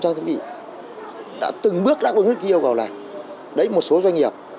trang thí nghiệm đã từng bước đắc với nước yêu cầu này đấy là một số doanh nghiệp